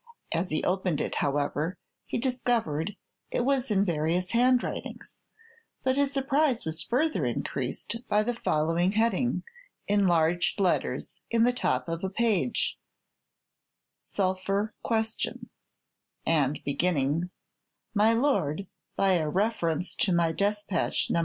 As he opened it, however, he discovered it was in various handwritings; but his surprise was further increased by the following heading, in large letters, in the top of a page: "Sulphur Question," and beginning, "My Lord, by a reference to my despatch, No.